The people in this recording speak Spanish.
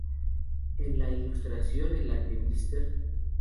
En la ilustración en la que Mr.